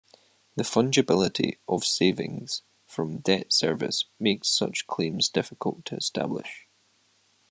The fungibility of savings from debt service makes such claims difficult to establish.